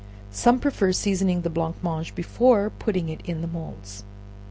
Some prefer seasoning the blancmange before putting it in the moulds.